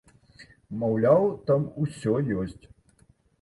Маўляў, там усё ёсць.